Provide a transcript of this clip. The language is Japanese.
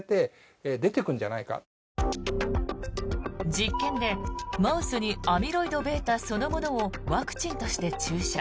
実験でマウスにアミロイドβそのものをワクチンとして注射。